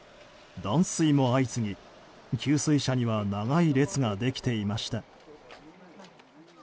断水も相次ぎ、給水車には長い列ができていました。